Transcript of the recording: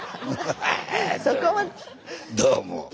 どうも。